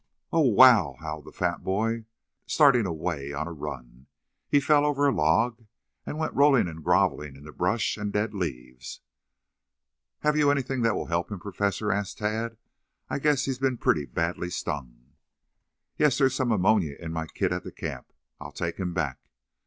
"Oh, wow!" howled the fat boy, starting away on a run. He fell over a log and went rolling and groveling in the brush and dead leaves. "Have you anything that will help him, Professor?" asked Tad. "I guess he has been pretty badly stung." "Yes, there's some ammonia in my kit at the camp. I'll take him back."